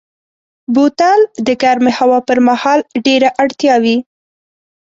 بوتل د ګرمې هوا پر مهال ډېره اړتیا وي.